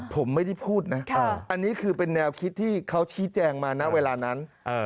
ผมไม่ได้พูดนะอันนี้คือเป็นแนวคิดที่เขาชี้แจงมาณเวลานั้น